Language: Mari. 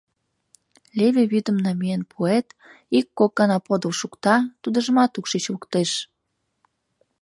Леве вӱдым намиен пуэт, ик-кок гана подыл шукта — тудыжымат укшич луктеш.